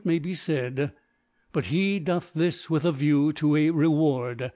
may be f^d ; but he doth this with a Viev/ to a Reward.